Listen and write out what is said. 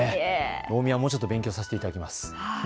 大宮、もうちょっと勉強させていただきます。